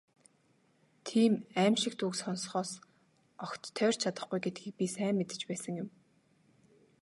Тийм «аймшигт» үг сонсохоос огт тойрч чадахгүй гэдгийг би сайн мэдэж байсан юм.